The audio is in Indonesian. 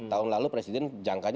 tahun lalu presiden jangkauan